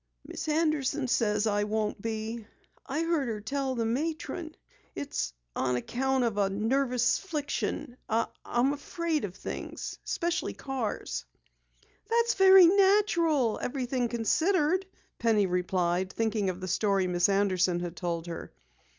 "Miss Anderson says I won't be I heard her tell the matron. It's on account of a nervous 'fliction. I'm afraid of things, 'specially cars." "That's very natural, everything considered," Penny replied, thinking of the story Miss Anderson had told her.